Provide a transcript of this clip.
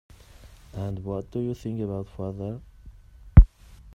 And what do you think about father?